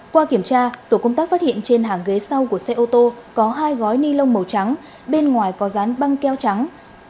qua kiểm tra tổ công tác phát hiện trên hàng ghế sau của xe ô tô có hai gói ni lông màu trắng bên ngoài có dán băng keo trắng